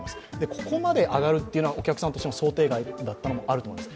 ここまで上がるというのはお客さんとしても想定外だったのもあると思います。